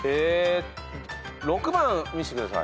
６番見してください。